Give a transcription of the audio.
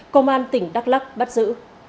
công an tỉnh đắk lắc bắt giữ